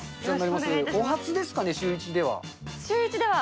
お初ですかね、シューイチでは。